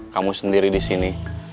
kamu sendiri di sini